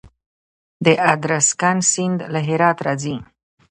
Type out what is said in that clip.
د ادرسکن سیند له هرات راځي